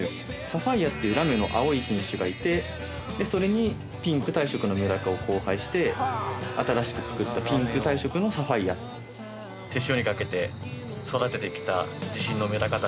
サファイアっていうラメの青い品種がいてそれにピンク体色のめだかを交配して新しく作ったピンク体色のサファイアと思っています